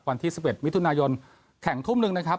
วันที่๑๑มิถุนายนแข่งทุ่มหนึ่งนะครับ